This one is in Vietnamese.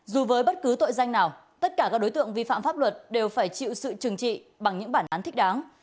dù với bất cứ tội danh nào tất cả các đối tượng vi phạm pháp luật đều phải chịu sự trừng trị bằng những bản án thích đáng